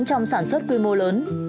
trong sản xuất quy mô lớn